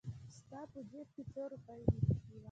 ستا په جېب کې څو روپۍ دي؟